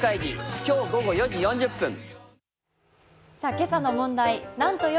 今朝の問題です。